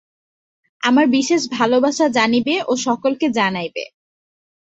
আমার বিশেষ ভালবাসা জানিবে ও সকলকে জানাইবে।